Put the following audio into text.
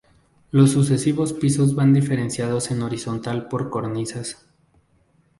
Los sucesivos pisos van diferenciados en horizontal por cornisas.